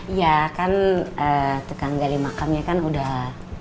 iya kan tukang gali makamnya kan udah